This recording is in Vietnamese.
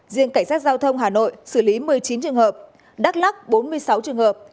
riêng cảnh sát giao thông hà nội xử lý một mươi chín trường hợp đắk lắc bốn mươi sáu trường hợp